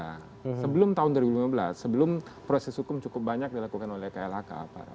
nah sebelum tahun dua ribu lima belas sebelum proses hukum cukup banyak dilakukan oleh klhk